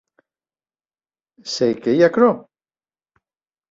Se qué ei aquerò?